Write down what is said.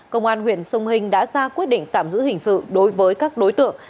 công an huyện sông hình đã ra quyết định tạm giữ hình sự đối với các đối tượng